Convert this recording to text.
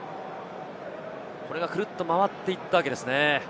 くるっと回っていったわけですね。